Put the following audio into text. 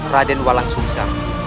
raden walang sungzang